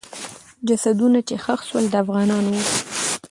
جسدونه چې ښخ سول، د افغانانو وو.